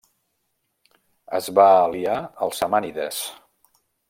Es va aliar als samànides.